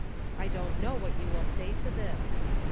I don't know what you will say to this.